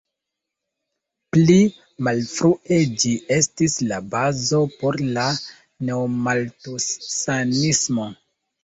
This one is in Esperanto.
Pli malfrue ĝi estis la bazo por la neomaltusanismo.